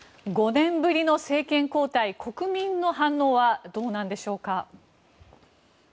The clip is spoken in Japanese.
５年ぶりの政権交代国民の反応はどうなんでしょう。